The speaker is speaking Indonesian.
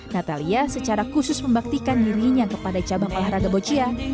natalia secara khusus membaktikan dirinya kepada cabang olahraga boccia